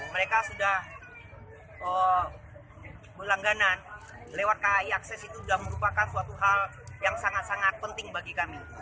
mereka sudah berlangganan lewat kai akses itu sudah merupakan suatu hal yang sangat sangat penting bagi kami